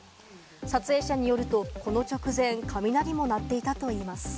撮影者によると、この直前、雷も鳴っていたといいます。